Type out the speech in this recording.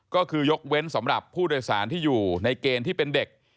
ก็คือยกเว้นสำหรับผู้โดยสารที่อยู่ในเกณฑ์ที่เป็นเด็ก